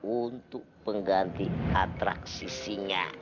untuk pengganti atraksisinya